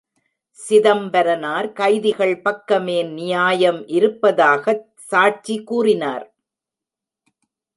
சிதம்பரனார் கைதிகள் பக்கமே நியாயம் இருப்பதாக சாட்சி கூறினார்.